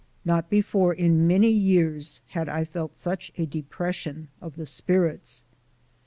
Not before in many years had I felt such a depression of the spirits.